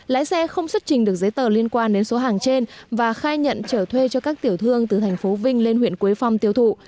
lái xe không xuất trình được giấy tờ liên quan đến số hàng trên và khai nhận trở thuê cho các tiểu thương từ thành phố vinh lên huyện quế phong tiêu thụ